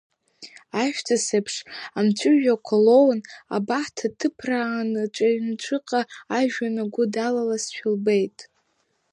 Ажәҵыс еиԥш амҵәыжәҩақәа лоуны абахҭа дҭыԥрааны ҵәаҩнҵәыҟа ажәҩан агәы далалазшәа лбеит.